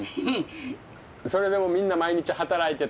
それでもみんな毎日働いてた？